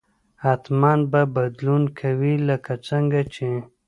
حتما به بدلون کوي لکه څنګه چې